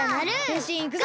へんしんいくぞ！